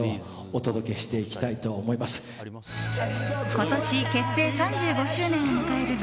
今年結成３５周年を迎えるＢ